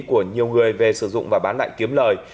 của nhiều người về sử dụng và bán lại kiếm lời